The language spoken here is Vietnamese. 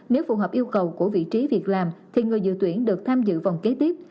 nếu phù hợp yêu cầu của vị trí việc làm thì người dự tuyển được tham dự vòng kế tiếp